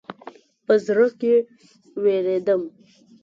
په زړه کې وېرېدم.